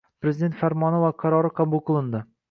Prezident farmoni va qarorlari qabul qilindi.